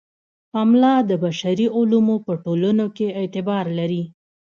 پملا د بشري علومو په ټولنو کې اعتبار لري.